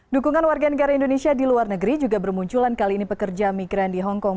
dukungan warga negara indonesia di luar negeri juga bermunculan kali ini pekerja migran di hongkong